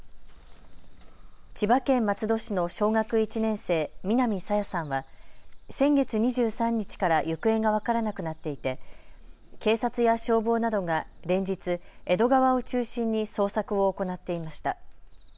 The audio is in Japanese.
千葉県松戸市の小学１年生、南朝芽さんは先月２３日から行方が分からなくなっていて、警察や消防などが連日、江戸川を中心に捜索を行っていました。